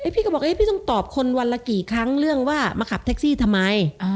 พี่ก็บอกพี่ต้องตอบคนวันละกี่ครั้งเรื่องว่ามาขับแท็กซี่ทำไม